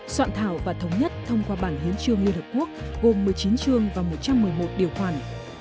soạn thảo và thống nhất thông qua bản hiến trương liên hợp quốc gồm một mươi chín chương và một trăm một mươi một điều khoản